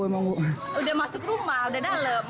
udah masuk rumah udah dalam